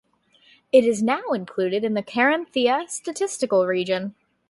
It is now included in the Carinthia Statistical Region.